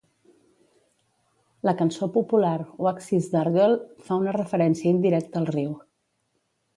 La cançó popular "Waxies' Dargle" fa una referència indirecta al riu.